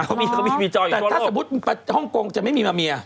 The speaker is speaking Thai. สมมุติห้องกงจะไม่มีมาเหมีย